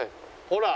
ほら。